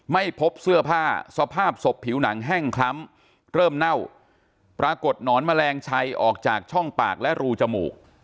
ไม่พบเสื้อผ้าสภาพศพผิวหนังแห้งคล้ำเริ่มเน่าปรากฏหนอนแมลงชัยออกจากช่องปากและรูจมูก